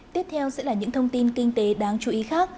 tiếp theo sẽ là những thông tin kinh tế đáng chú ý khác